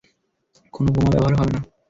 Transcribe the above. কোনো বোমা ব্যবহার হবে না।